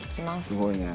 すごいね。